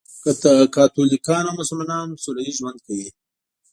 کاتولیکان او مسلمانان سولهییز ژوند کوي.